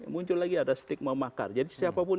muncul lagi ada stigma makar jadi siapapun